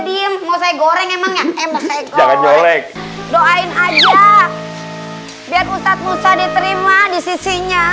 diem mau saya goreng emangnya emangnya golek doain aja biar ustadz musa diterima di sisinya